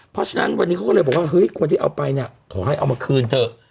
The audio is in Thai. เพราะฉะนั้นวันนี้เขาก็เลยบอกว่าเฮ้ยคนที่เอาไปเนี่ยขอให้เอามาคืนเถอะ